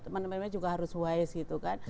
teman temannya juga harus wise gitu kan